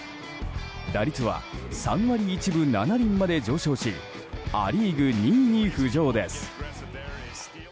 打率は３割１分７厘まで上昇しア・リーグ２位に浮上です。